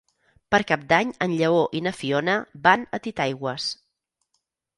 Per Cap d'Any en Lleó i na Fiona van a Titaigües.